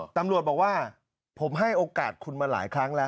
ตำรวจบอกว่าผมให้โอกาสคุณมาหลายครั้งแล้ว